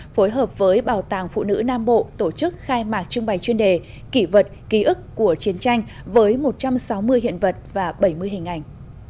phối hợp với bảo tàng phụ nữ nam bộ tổ chức khai mạc trưng bày chuyên đề kỷ vật ký ức của chiến tranh với một trăm sáu mươi hiện vật và bảy mươi hình ảnh